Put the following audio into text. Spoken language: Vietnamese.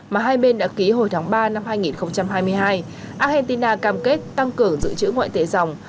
mà hai bên đã ký hồi tháng ba năm hai nghìn hai mươi hai argentina cam kết tăng cường dự trữ ngoại tệ dòng